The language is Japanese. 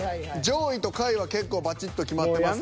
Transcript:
上位と下位は結構バチッと決まってますかね。